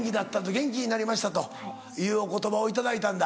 元気になりましたというお言葉を頂いたんだ。